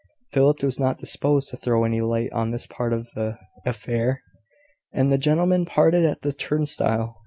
Philip was not disposed to throw any light on this part of the affair; and the gentlemen parted at the turnstile.